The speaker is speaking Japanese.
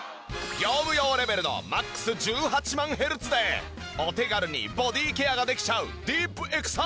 業務用レベルのマックス１８万ヘルツでお手軽にボディーケアができちゃうディープエクサ１８。